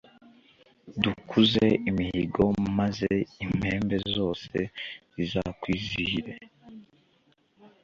dukuza imihigo, maze impembe zose zizakwizihire